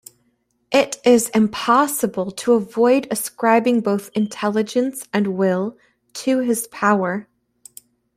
It is impossible to avoid ascribing both intelligence and will to this power.